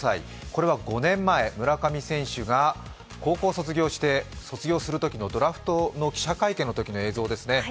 これは５年前、村上選手が高校を卒業するときのドラフトの記者会見のときの映像ですね。